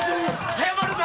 早まるな！